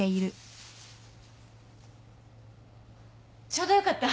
ちょうどよかった。